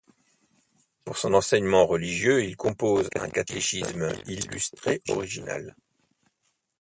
Pour son enseignement religieux, il compose un catéchisme illustré original.